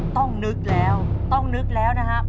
ต้องนึกแล้วต้องนึกแล้วนะครับ